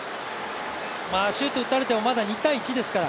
シュート打たれても、まだ２−１ですから。